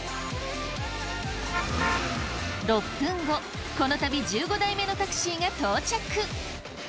６分後この旅１５台目のタクシーが到着。